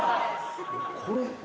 これ。